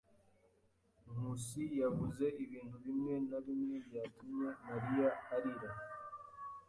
Nkusi yavuze ibintu bimwe na bimwe byatumye Mariya arira.